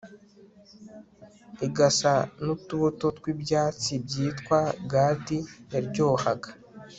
igasa n utubuto tw ibyatsi byitwa gadi yaryohaga